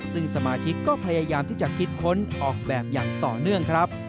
ซึ่งสมาชิกก็พยายามที่จะคิดค้นออกแบบอย่างต่อเนื่องครับ